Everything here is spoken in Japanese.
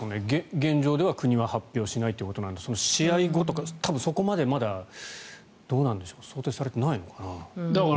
現状では国は発表しないということですが試合後とか多分、そこまでまだどうなんでしょう想定されてないのかな。